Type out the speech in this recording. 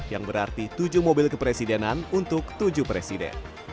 yang berarti tujuh mobil kepresidenan untuk tujuh presiden